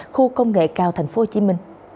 khu công nghệ cao tp hcm